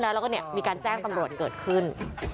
แล้วก็มีการแจ้งตำรวจเกิดขึ้น